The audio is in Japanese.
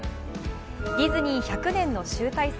ディズニー１００年の集大成